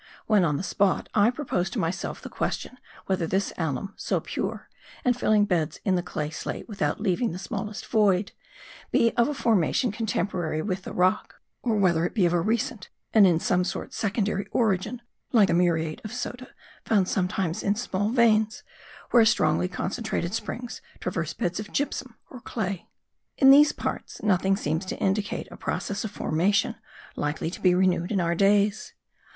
When on the spot, I proposed to myself the question whether this alum, so pure, and filling beds in the clay slate without leaving the smallest void, be of a formation contemporary with the rock, or whether it be of a recent, and in some sort secondary, origin, like the muriate of soda, found sometimes in small veins, where strongly concentrated springs traverse beds of gypsum or clay. In these parts nothing seems to indicate a process of formation likely to be renewed in our days.